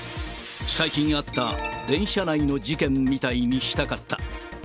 最近あった電車内の事件みたいにしたかった。